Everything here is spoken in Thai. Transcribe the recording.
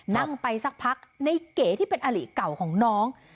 นั่งไปสักพักในเก๋ที่เป็นอลิเก่าของน้อง